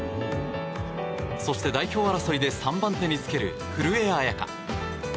そして、代表争いで３番手につける古江彩佳。